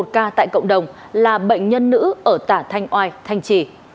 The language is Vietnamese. một ca tại cộng đồng là bệnh nhân nữ ở tả thanh oai thanh trì